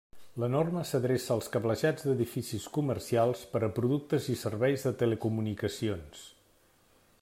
La norma s'adreça als cablejats d'edificis comercials per a productes i serveis de telecomunicacions.